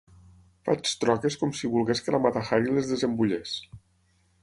Faig troques com si volgués que la Mata-Hari les desembullés.